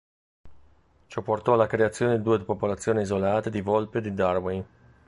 Ciò portò alla creazione di due popolazioni isolate di volpe di Darwin.